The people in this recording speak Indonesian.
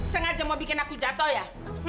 sengaja mau bikin aku jatuh ya